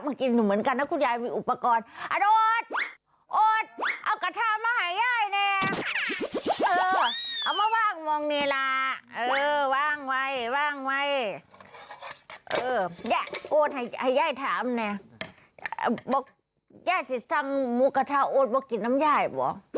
เออแย่โก้นให้แย่ถามเนี่ยบอกแย่สิสั่งหมูกระท่าโอ๊ดบอกกินน้ำยายบ่